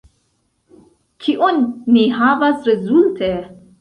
Kion ni havas rezulte?